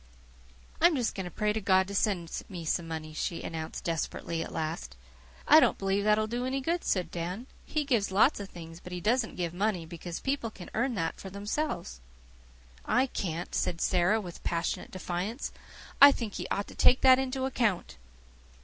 "I'm just going to pray to God to send me some money," she announced desperately at last. "I don't believe that will do any good," said Dan. "He gives lots of things, but he doesn't give money, because people can earn that for themselves." "I can't," said Sara, with passionate defiance. "I think He ought to take that into account."